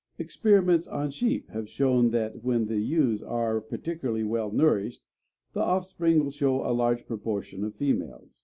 Experiments on sheep have shown that when the ewes are particularly well nourished the offspring will show a large proportion of females.